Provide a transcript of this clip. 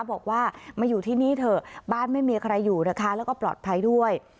บอกว่ามาอยู่ที่นี่เถอะบ้านไม่มีใครอยู่นะคะแล้วก็ปลอดภัยด้วย